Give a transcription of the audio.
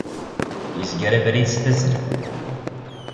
Yezger abrid s tazzla.